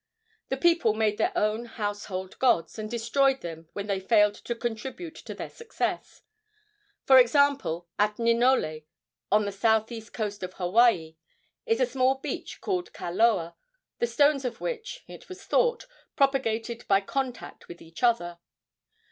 The people made their own household gods, and destroyed them when they failed to contribute to their success. For example, at Ninole, on the southeast coast of Hawaii, is a small beach called Kaloa, the stones of which, it was thought, propagated by contact with each other.